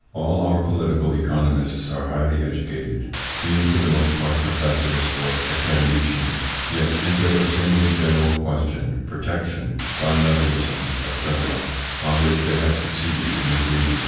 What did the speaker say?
All our political economists are highly educated, being for the most part professors or academicians, yet is there a single general question protection, bimetallism, &c. on which they have succeeded in agreeing?